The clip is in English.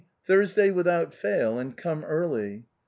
" Thursday wifhout fail, and come early."